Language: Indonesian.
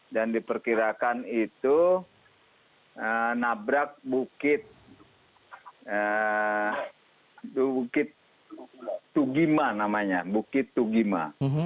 dan diperkirakan itu nabrak bukit tugima namanya bukit tugima